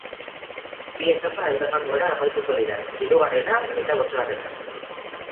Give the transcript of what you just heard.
Bi etapa aldapan gora amaituko dira, hirugarrena eta bosgarrena.